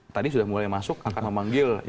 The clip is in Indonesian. tadi sudah mulai masuk akan memanggil